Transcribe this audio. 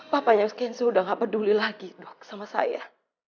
papanya genzo udah gak peduli lagi dok sama saya